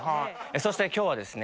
そして今日はですね